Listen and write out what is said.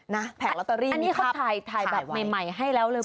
นะแผ่งรัตตารี้มีครับขายวันเออคะอันนี้เขาถ่ายแบบใหม่ให้แล้วเลยค่ะ